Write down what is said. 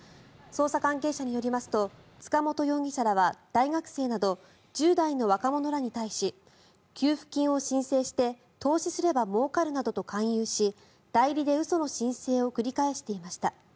捜査関係者によりますと塚本容疑者らは大学生など１０代の若者らに対し給付金を申請して投資すればもうかるなどと勧誘し代理で嘘の申請を繰り返していました。